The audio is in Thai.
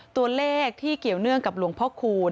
ตัวเลขที่เกี่ยวเนื่องกับหลวงพ่อคูณ